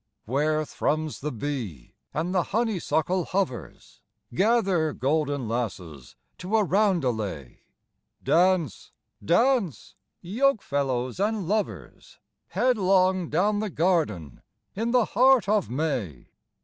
WHERE thrums the bee and the honeysuckle hovers, Gather, golden lasses, to a roundelay; Dance, dance, yokefellows and lovers, Headlong down the garden, in the heart of May!